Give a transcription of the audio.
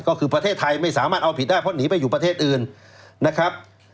ก็คือประเทศไทยไม่สามารถเอาผิดได้เพราะหนีไปอยู่ประเทศอื่นนะครับ